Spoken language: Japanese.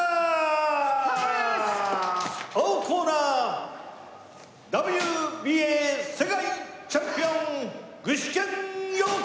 青コーナーＷＢＡ世界チャンピオン具志堅用高！